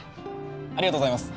ありがとうございます。